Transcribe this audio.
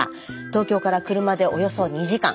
東京から車でおよそ２時間。